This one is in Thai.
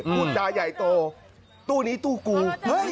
พูดจาใหญ่โตตู้นี้ตู้กู